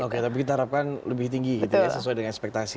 oke tapi kita harapkan lebih tinggi gitu ya sesuai dengan ekspektasi